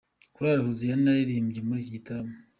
Korali Hoziyana yaririmbye muri iki gitaramo.